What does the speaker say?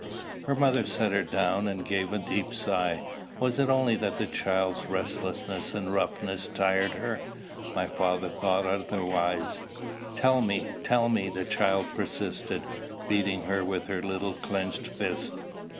Her mother set her down, and gave a deep sigh. Was it only that the child's restlessness and roughness tired her? My father thought otherwise. "Tell me; tell me," the child persisted, beating her with her little clenched fist.